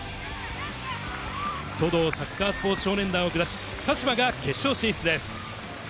莵道サッカースポーツ少年団を下し、鹿島が決勝進出です。